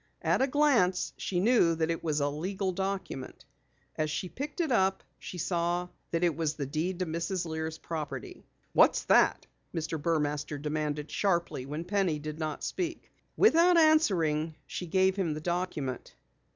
At a glance she knew that it was a legal document. As she picked it up she saw that it was the deed to Mrs. Lear's property. "What's that?" Mr. Burmaster demanded sharply when Penny did not speak. Without answering, she gave him the document.